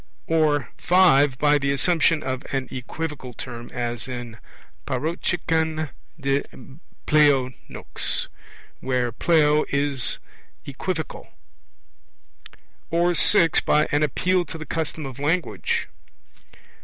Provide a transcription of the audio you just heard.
Or (5) by the assumption of an equivocal term, as in parocheken de pleo nux, where pleo in equivocal. Or (6) by an appeal to the custom of language.